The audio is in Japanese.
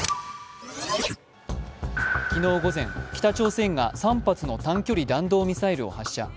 昨日午前、北朝鮮が３発の短距離弾道ミサイルを発射。